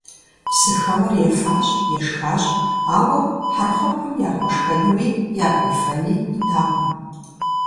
Псыхэуэр ефащ, ешхащ, ауэ Хьэрхъупым яхуэшхэнуи яхуефэни идакъым.